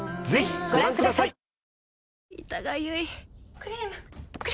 ぜひご覧ください。